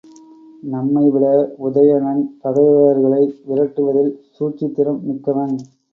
நம்மைவிட உதயணன் பகைவர்களை விரட்டுவதில் சூழ்ச்சித் திறம் மிக்கவன்.